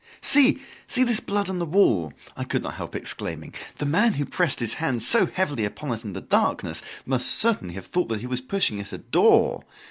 "See! see this blood on the wall!" I could not help exclaiming. "The man who pressed his hand so heavily upon it in the darkness must certainly have thought that he was pushing at a door!